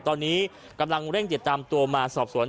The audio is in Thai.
ตอนนี้กำลังเร่งติดตามตัวมาสอบสวน